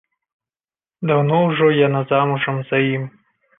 Даўно ўжо яна замужам за ім.